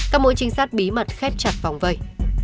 các mỗi trinh sát bí mật khép chặt vòng vầy